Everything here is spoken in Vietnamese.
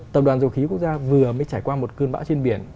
tập đoàn dầu khí quốc gia vừa mới trải qua một cơn bão trên biển